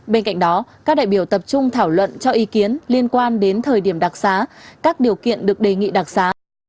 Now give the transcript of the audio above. bên cạnh đó các đại biểu tập trung thảo luận cho ý kiến liên quan đến thời điểm đặc xá các điều kiện được đề nghị đặc xá